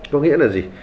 có nghĩa là gì